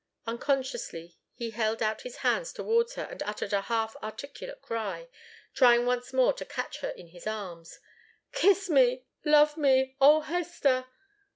Unconsciously he held out his hands towards her and uttered a half articulate cry, trying once more to catch her in his arms. "Kiss me love me oh, Hester!"